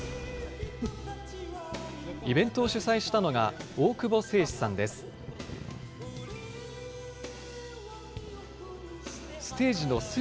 イベントを主催したのが大久保青志さんです。